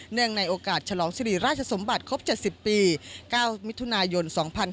ในโอกาสฉลองสิริราชสมบัติครบ๗๐ปี๙มิถุนายน๒๕๕๙